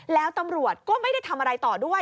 แล้วตำรวจก็ไม่ได้ทำอะไรต่อด้วย